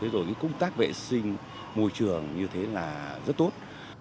rồi công tác vệ sinh môi trường như thế là rất tốt